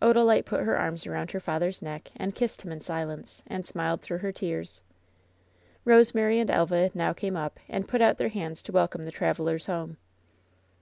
Odalite put her arms around her father's neck, and kissed him in silence, and smiled through her tears. Eosemary and Elva now came up, and put out their hands to welcome the travelers home.